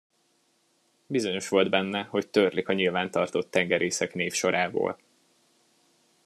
Bizonyos volt benne, hogy törlik a nyilvántartott tengerészek névsorából.